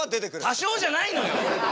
多少じゃないのよ！